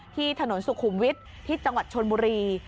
ที่ถนนสุขุมวิทย์ที่จังหวัดชนบุรี